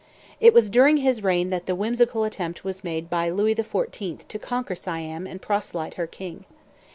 It was during his reign that the whimsical attempt was made by Louis XIV. to conquer Siam and proselyte her king.